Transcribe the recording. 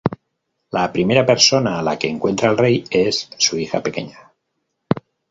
La primera persona a la que encuentra el rey es su hija pequeña.